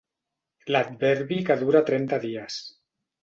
L'adverbi que dura trenta dies.